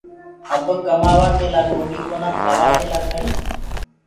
اب ڪمآوآ لآ ڪوڏيٚ ڪونآ کآوآ لآ کڙيٚ